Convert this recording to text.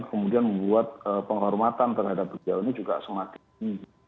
kemudian membuat penghormatan terhadap beliau ini juga semakin tinggi